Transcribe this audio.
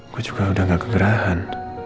gue juga udah gak kegerahan